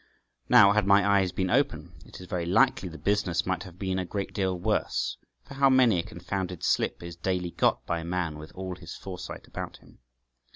Now, had my eyes been open, it is very likely the business might have been a great deal worse, for how many a confounded slip is daily got by man with all his foresight about him.